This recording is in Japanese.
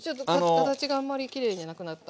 形があんまりきれいじゃなくなった。